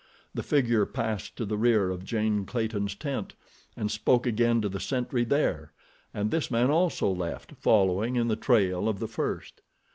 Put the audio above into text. The figure passed to the rear of Jane Clayton's tent and spoke again to the sentry there, and this man also left, following in the trail of the first.